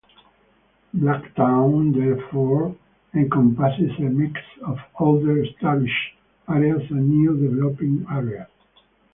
Blacktown therefore encompasses a mix of older established areas and new developing areas.